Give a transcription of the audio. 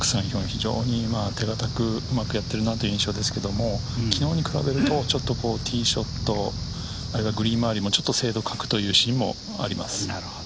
非常に手堅くうまくやっているなという印象ですけれども昨日に比べると、ティーショットあるいはグリーン周りもちょっと精度を欠くというシーンもあります。